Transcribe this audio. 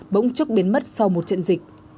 bỗng trúc biến mất sau một trận dịch